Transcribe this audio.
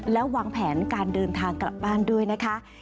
แล้ววางแผนการเดินทางกลับบ้านด้วยนะคะ